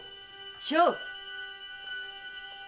勝負！